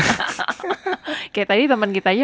kayak tadi temen kita aja